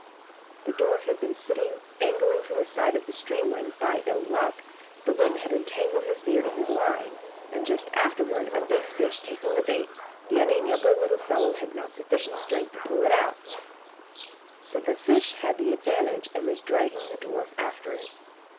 The dwarf had been sitting angling from the side of the stream when, by ill luck, the wind had entangled his beard in his line, and just afterwards a big fish taking the bait, the unamiable little fellow had not sufficient strength to pull it out; so the fish had the advantage, and was dragging the dwarf after it.